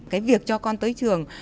cái việc cho con tới trường